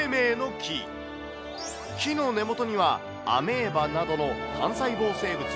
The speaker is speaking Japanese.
樹の根元には、アメーバなどの単細胞生物。